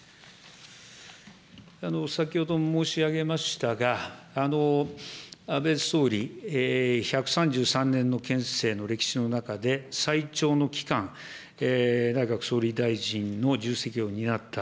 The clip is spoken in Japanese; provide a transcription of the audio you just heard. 先ほども申し上げましたが、安倍総理１３３年の憲政の歴史の中で最長の期間、内閣総理大臣の重責を担った。